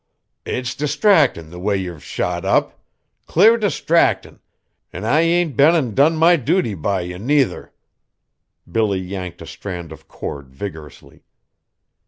"It's distractin' the way ye've shot up. Clar distractin'; an' I ain't been an' done my duty by ye, nuther." Billy yanked a strand of cord vigorously.